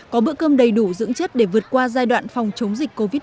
có bữa cơm đầy đủ dưỡng chất để vượt qua giai đoạn phòng chống dịch covid một mươi chín